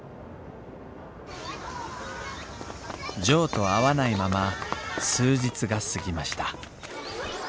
ジョーと会わないまま数日が過ぎましたあ！